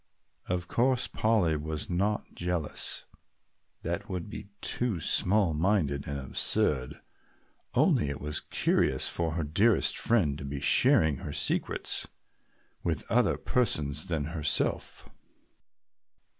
Of course Polly was not jealous, that would be too small minded and absurd, only it was curious for her dearest friend to be sharing her secrets with other persons than herself.